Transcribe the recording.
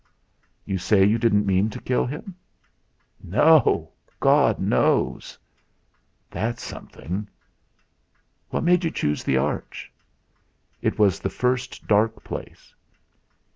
"You say you didn't mean to kill him?" "No God knows!" "That's something." "What made you choose the arch?" "It was the first dark place."